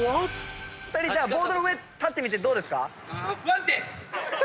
２人ボードの上立ってみてどうですか？